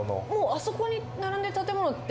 あそこに並んでる建物って？